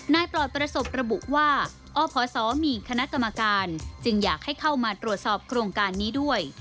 ปลอดประสบระบุว่าอพศมีคณะกรรมการจึงอยากให้เข้ามาตรวจสอบโครงการนี้ด้วย